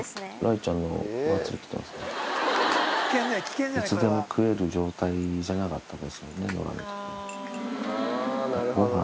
いつでも食える状態じゃなかったですもんね、野良猫のときは。